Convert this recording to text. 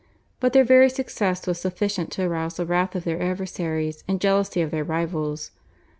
But their very success was sufficient to arouse the wrath of their adversaries and the jealousy of their rivals.